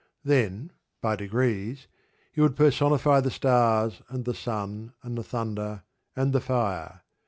Then, by degrees, he would personify the stars, and the sun, and the thunder, and the fire.